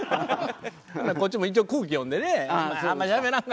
こっちも一応空気読んでねあんま